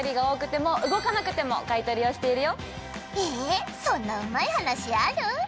えそんなうまい話ある？